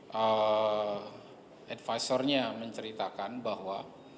dari advisor nya menceritakan bahwa